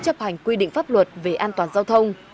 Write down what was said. chấp hành quy định pháp luật về an toàn giao thông